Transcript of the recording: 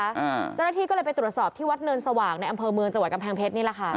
เจ้าหน้าที่ก็เลยไปตรวจสอบที่วัดเนินสว่างในอำเภอเมืองจังหวัดกำแพงเพชรนี่แหละค่ะ